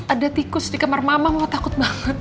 ada tikus di kamar mama takut banget